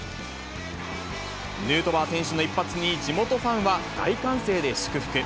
ヌートバー選手の一発に、地元ファンは大歓声で祝福。